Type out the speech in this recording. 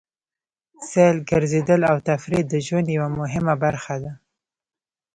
سیل، ګرځېدل او تفرېح د ژوند یوه مهمه برخه ده.